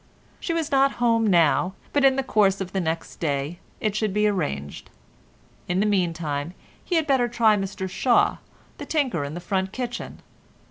She was not at home now, but in the course of the next day, it should be arranged. In the meantime he had better try Mr Shaw, the tinker, in the front kitchen.